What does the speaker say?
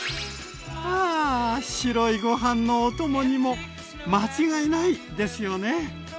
はあ白いご飯のお供にも間違いない！ですよね？